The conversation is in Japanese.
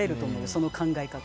その考え方。